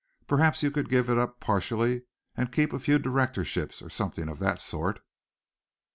Perhaps you could give it up partially, and keep a few directorships, or something of that sort?"